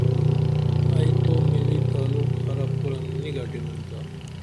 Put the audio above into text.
ائی تو ملی تعلق خرب کُرن نی گٹینُم تا